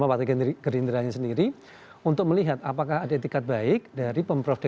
betul enam puluh hari